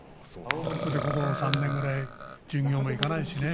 ここ３年ぐらい巡業も行かないしね。